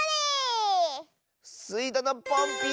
スイどのポンピン！